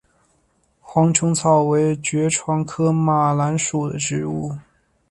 黄猄草为爵床科马蓝属的植物。